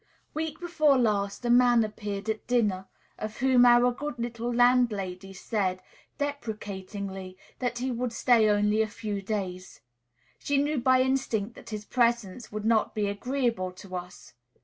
Week before last a man appeared at dinner, of whom our good little landlady said, deprecatingly, that he would stay only a few days. She knew by instinct that his presence would not be agreeable to us.